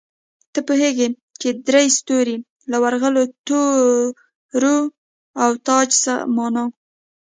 ته پوهېږې چې درې ستوري، له ورغلو تورو او تاج څه مانا؟